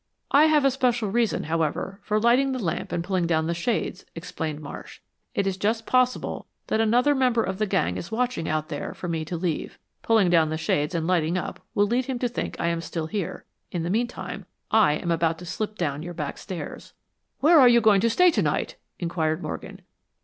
"I have a special reason, however, for lighting the lamp and pulling down the shades," explained Marsh. "It is just possible that another member of the gang is watching out there for me to leave. Pulling down the shades and lighting up will lead him to think I am still here. In the meantime, I am about to slip down your back stairs." "Where are you going to stay tonight?" inquired Morgan.